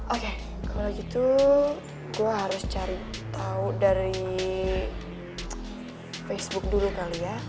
oke kalau gitu gue harus cari tahu dari facebook dulu kali ya